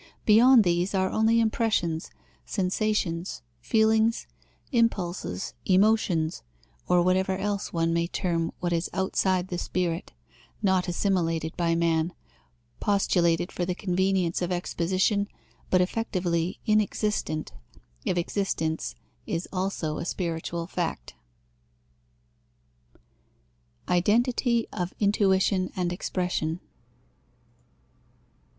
Beyond these are only impressions, sensations, feelings, impulses, emotions, or whatever else one may term what is outside the spirit, not assimilated by man, postulated for the convenience of exposition, but effectively inexistent, if existence be also a spiritual fact. _Identity of intuition and expression.